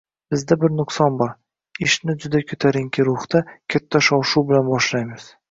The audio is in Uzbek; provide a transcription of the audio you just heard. Bizda bir nuqson bor: ishni juda ko‘tarinki ruhda, katta shov-shuv bilan boshlaymiz.